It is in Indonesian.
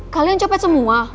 kalian copet semua